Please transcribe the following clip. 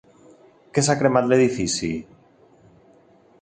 Que s’ha cremat l’edifici?